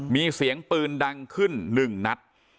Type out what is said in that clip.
มีเสียงปืนดังขึ้น๑นัด